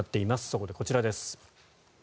そこでこちらです。